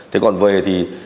thế còn về thì